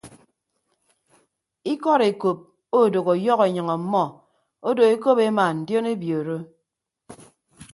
Ikọd ekop odooho ọyọhọ enyịñ ọmmọ odo ekop ema ndionebọọrọ.